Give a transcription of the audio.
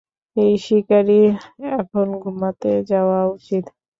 এই শিকারীর এখন ঘুমাতে যাওয়া উচিত।